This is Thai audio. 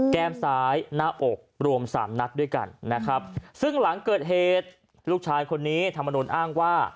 แก้มซ้ายหน้าอกรวมสามนัดด้วยกันนะครับซึ่งหลังเกิดเหตุลูกชายคนนี้ธรรมนุนอ้างว่า